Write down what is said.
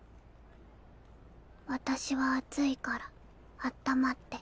私は暑いからあったまって。